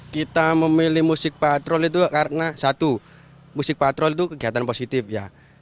kita memilih musik patrol itu karena satu musik patrol itu kegiatan positif ya